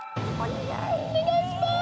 お願いします。